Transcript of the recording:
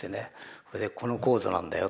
それでこのコードなんだよ。